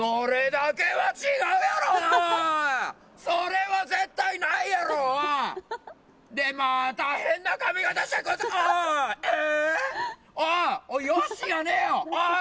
それは絶対ないやろ、おい！